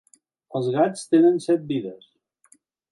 Els gats tenen set vides.